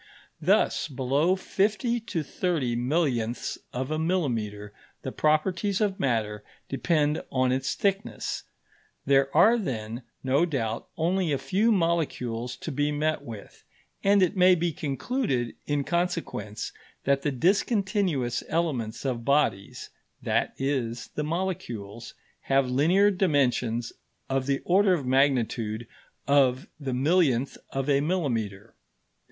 Thus, below fifty to thirty millionths of a millimetre the properties of matter depend on its thickness. There are then, no doubt, only a few molecules to be met with, and it may be concluded, in consequence, that the discontinuous elements of bodies that is, the molecules have linear dimensions of the order of magnitude of the millionth of a millimetre.